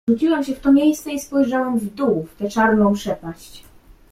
"Rzuciłem się w to miejsce i spojrzałem w dół, w tę czarną przepaść."